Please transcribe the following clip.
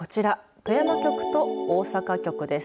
富山局と大阪局です。